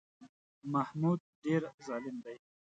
محمود ډېر ظالم دی.